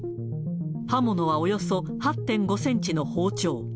刃物はおよそ８．５センチの包丁。